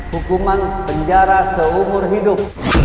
hukuman penjara seumur hidup